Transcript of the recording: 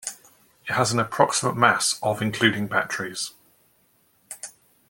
It has an approximate mass of including batteries.